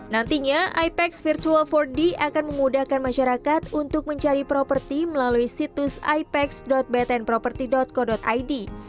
nantinya ipex virtual empat d akan memudahkan masyarakat untuk mencari properti melalui situs ipex btnproperty co id